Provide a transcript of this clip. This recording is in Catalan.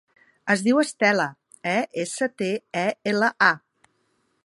Es diu Estela: e, essa, te, e, ela, a.